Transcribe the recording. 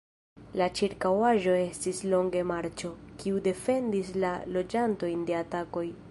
La ĉirkaŭaĵo estis longe marĉo, kiu defendis la loĝantojn de atakoj.